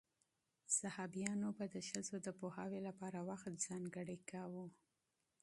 صحابیانو به د ښځو د پوهاوي لپاره وخت ځانګړی کاوه.